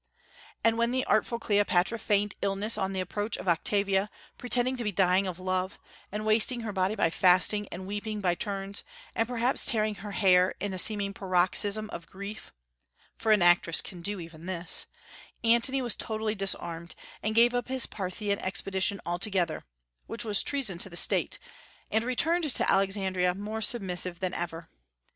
And when the artful Cleopatra feigned illness on the approach of Octavia, pretending to be dying of love, and wasting her body by fasting and weeping by turns, and perhaps tearing her hair in a seeming paroxysm of grief, for an actress can do even this, Antony was totally disarmed, and gave up his Parthian expedition altogether, which was treason to the State, and returned to Alexandria more submissive than ever.